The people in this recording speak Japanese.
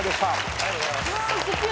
ありがとうございます。